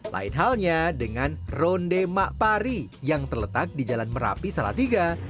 lain halnya dengan ronde makpari yang terletak di jalan merapi salatiga